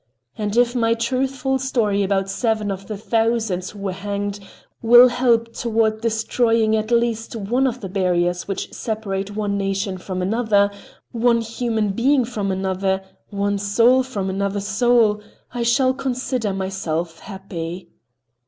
And if my truthful story about seven of the thousands who were hanged will help toward destroying at least one of the barriers which separate one nation from another, one human being from another, one soul from another soul, I shall consider myself happy.